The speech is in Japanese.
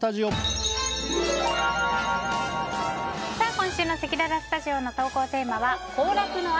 今週のせきららスタジオの投稿テーマは行楽の秋！